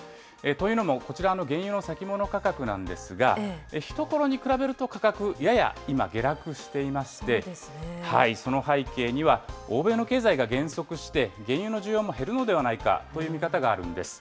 というのもこちらの原油の先物価格なんですが、ひところに比べると価格、やや今、下落していまして、その背景には、欧米の経済が減速して、原油の需要も減るのではないかという見方があるんです。